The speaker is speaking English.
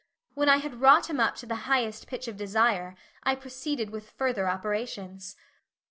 When I had wrought him up to the highest pitch of desire, I proceeded with further operations.